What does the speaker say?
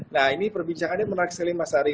nah ini perbincangannya menarik sekali mas ari